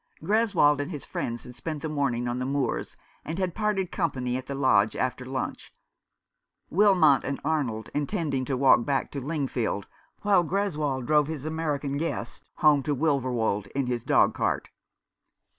Greswold and his friends had spent the morning on the moors, and had parted company at the lodge, after lunch, Wilmot and Arnold intending to walk back to Lingfield, while Greswold drove his American guest home to Wilverwold in his dog cart.